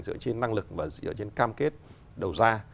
dựa trên năng lực và dựa trên cam kết đầu ra